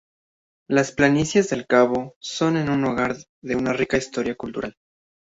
Las planicies del Cabo son un el hogar de una rica historia cultural.